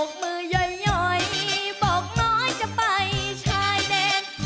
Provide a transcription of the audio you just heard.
มือย่อยบอกน้อยจะไปชายแดน